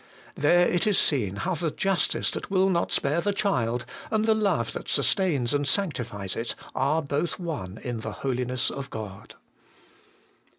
There it is seen how the Justice that will not spare the child, and the Love that sustains and sanctifies it, are both one in the Holiness of God.